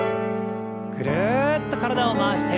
ぐるっと体を回して。